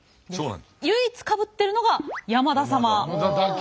唯一かぶってるのが山田様。だけ？